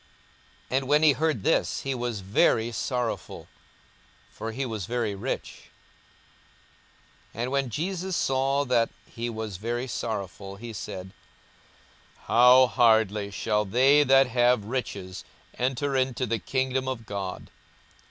42:018:023 And when he heard this, he was very sorrowful: for he was very rich. 42:018:024 And when Jesus saw that he was very sorrowful, he said, How hardly shall they that have riches enter into the kingdom of God!